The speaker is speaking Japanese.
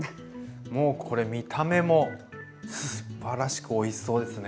もうこれ見た目もすばらしくおいしそうですね。